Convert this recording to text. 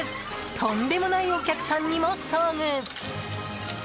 とんでもないお客さんにも遭遇。